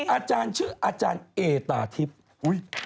อาจารย์ชื่ออาจารย์เอตาทิพย์